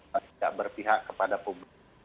tidak berpihak kepada publik